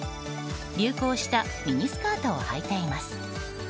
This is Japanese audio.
流行したミニスカートをはいています。